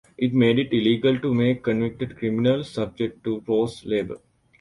It made it illegal to make convicted criminals subject to forced labor.